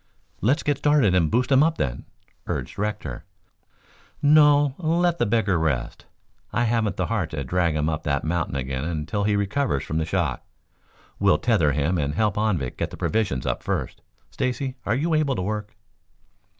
"Let's get started and boost him up, then," urged Rector. "No, let the beggar rest. I haven't the heart to drag him up that mountain again until he recovers from the shock. We'll tether him and help Anvik get the provisions up first. Stacy, are you able to work?"